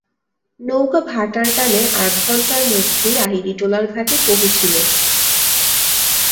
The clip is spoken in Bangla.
নৌকা ভাটার টানে আধ ঘণ্টার মধ্যেই আহিরিটোলার ঘাটে পঁহুছিল।